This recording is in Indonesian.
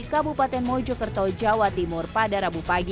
kabupaten mojokerto jawa timur pada rabu pagi